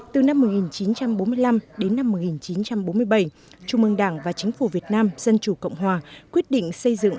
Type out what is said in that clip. từ năm một nghìn chín trăm bốn mươi năm đến năm một nghìn chín trăm bốn mươi bảy trung mương đảng và chính phủ việt nam dân chủ cộng hòa quyết định xây dựng